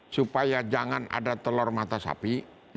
supaya jangan ada telur mata sapi